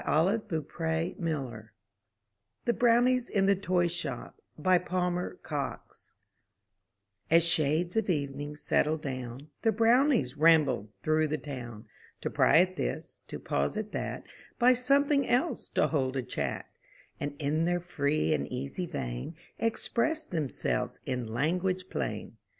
57 M Y BOOK HOUSE THE BROWNIES IN THE TOY SHOP* Palmer Cox As shades of evening settled down, The Brownies rambled through the town, To pry at this, to pause at that, By something else to hold a chat, And in their free and easy vein Express themselves in language plain.